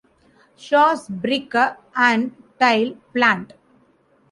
Shaw's brick and tile plant.